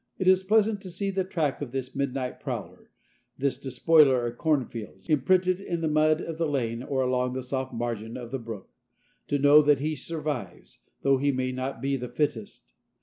It is pleasant to see the track of this midnight prowler, this despoiler of cornfields, imprinted in the mud of the lane or along the soft margin of the brook, to know that he survives, though he may not be the fittest.